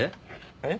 えっ？